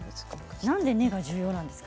なんで根が重要なんですか。